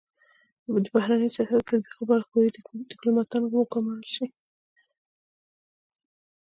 د بهرني سیاست د تطبیق لپاره قوي ډيپلوماتان و ګمارل سي.